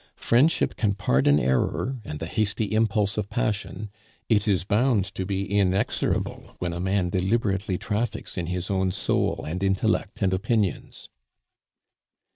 Friendship can pardon error and the hasty impulse of passion; it is bound to be inexorable when a man deliberately traffics in his own soul, and intellect, and opinions."